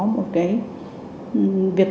một cái việc